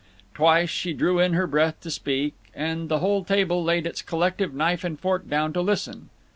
Twice she drew in her breath to speak, and the whole table laid its collective knife and fork down to listen.